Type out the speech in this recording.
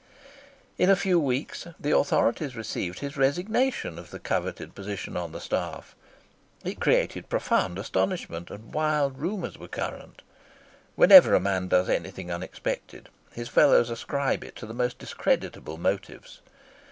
In a few weeks the authorities received his resignation of the coveted position on the staff. It created profound astonishment, and wild rumours were current. Whenever a man does anything unexpected, his fellows ascribe it to the most discreditable motives.